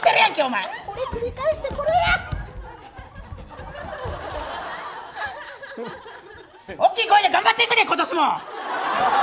繰り返して、これや！大きい声で頑張っていくねん、今年も！